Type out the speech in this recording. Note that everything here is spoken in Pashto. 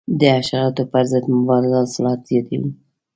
د حشراتو پر ضد مبارزه حاصلات زیاتوي.